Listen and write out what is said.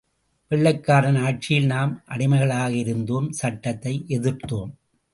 வெள்ளைக்காரன் ஆட்சியில் நாம் அடிமைகளாக இருந்தோம், சட்டத்தை எதிர்த்தோம்.